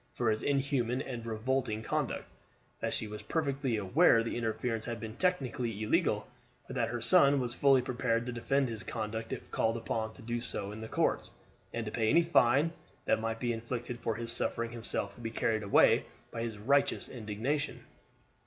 for his inhuman and revolting conduct; that she was perfectly aware the interference had been technically illegal, but that her son was fully prepared to defend his conduct if called upon to do so in the courts, and to pay any fine that might be inflicted for his suffering himself to be carried away by his righteous indignation.